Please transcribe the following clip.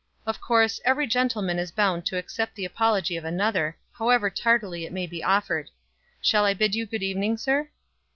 Of course, every gentleman is bound to accept the apology of another, however tardily it may be offered. Shall I bid you good evening, sir?"